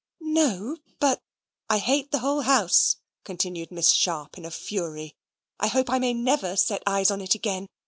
"No: but " "I hate the whole house," continued Miss Sharp in a fury. "I hope I may never set eyes on it again.